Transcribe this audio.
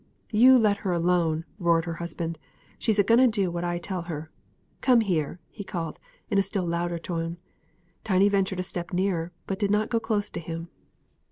"You let her alone," roared her husband; "she's a going to do what I tell her. Come here," he called, in a still louder tone. Tiny ventured a step nearer, but did not go close to him.